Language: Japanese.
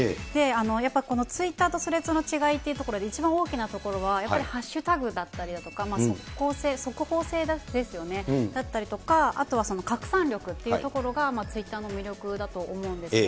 やっぱこのツイッターとスレッズの違いというところで、一番大きなところは、やっぱりハッシュタグだったり、速攻性、速報性ですよね、だったりとか、あとは拡散力っていうところが、ツイッターの魅力だと思うんですね。